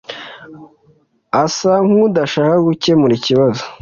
asa nkudashaka gukemura ikibazo.